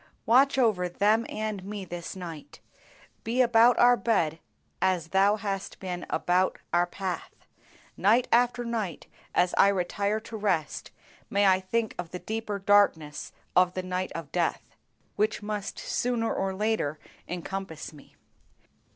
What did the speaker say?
Watch over them and me this night; be about our bed as Thou hast been about our path. Night after night as I retire to rest may I think of the deeper darkness of the night of death, which must, sooner or later encompass me.